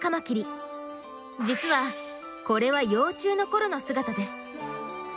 実はこれは幼虫のころの姿です。